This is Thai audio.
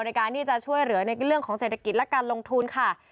ในการที่จะช่วยเหลือในเรื่องของเศรษฐกิจและการลงทุนค่ะ